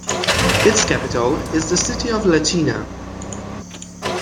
Its capital is the city of Latina.